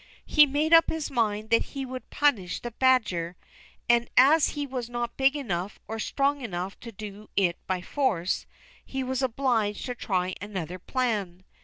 He made up his mind that he would punish the badger; and, as he was not big enough or strong enough to do it by force, he was obliged to try another plan.